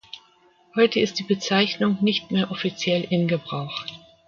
Heute ist die Bezeichnung nicht mehr offiziell in Gebrauch.